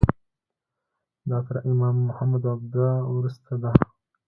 دا تر امام محمد عبده وروسته ده.